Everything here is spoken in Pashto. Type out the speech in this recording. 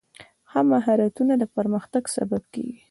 ښه مهارتونه د پرمختګ سبب کېږي.